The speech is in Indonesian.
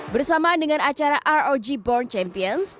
bersamaan dengan acara rog born champions